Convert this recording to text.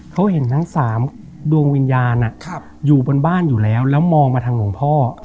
เขาเห็นทั้ง๓ดวงวิญญาณอยู่บนบ้านอยู่แล้วแล้วมองมาทางหลวงพ่อ